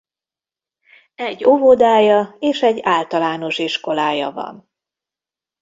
Egy óvodája és egy általános iskolája van.